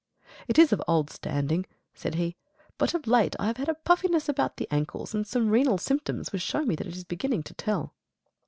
"It is of old standing," said he, "but of late I have had a puffiness about the ankles and some renal symptoms which show me that it is beginning to tell."